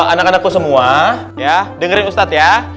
anak anakku semua ya dengerin ustadz ya